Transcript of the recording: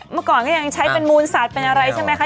เมื่อก่อนก็ยังใช้เป็นมูลสัตว์เป็นอะไรใช่ไหมคะ